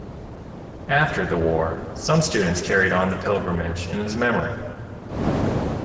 After the war, some students carried on the pilgrimage in his memory.